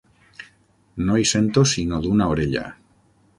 No hi sento sinó d'una orella.